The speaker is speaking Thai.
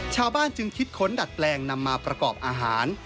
ชาวบ้านจึงคิดค้นดัดแปลงนำมาประกอบอาหาร